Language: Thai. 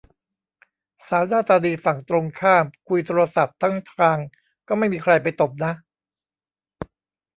สาวหน้าตาดีฝั่งตรงข้ามคุยโทรศัพท์ทั้งทางก็ไม่มีใครไปตบนะ